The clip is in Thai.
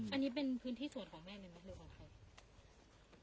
อันนี้เป็นพื้นที่สวดของแม่หนึ่งหรือของเขา